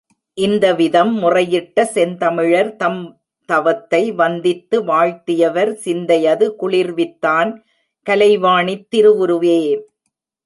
இந்தவிதம் முறையிட்ட செந்தமிழர் தம்தவத்தை வந்தித்து வாழ்த்தியவர் சிந்தையது குளிர்வித்தான் கலைவாணித் திருவுருவே!